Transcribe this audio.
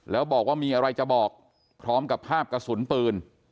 แล้วบอกว่ามีอะไรจะบอกพร้อมกับภาพกระสุนปืน